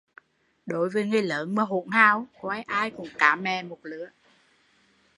Đối với người lớn mà hỗn hào, coi ai cũng cá mè một lứa